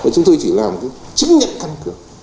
chúng tôi chỉ làm chứng nhận căn cước